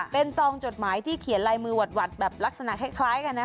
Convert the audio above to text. เป็นซองจดหมายที่เขียนลายมือหวัดแบบลักษณะคล้ายกันนะคะ